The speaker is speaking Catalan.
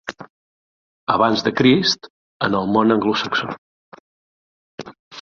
Abans de Crist en el món anglosaxó.